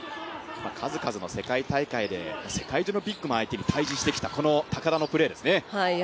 数々の世界大会で世界中のビッグマンを相手に対峙してきた高田のプレーですね。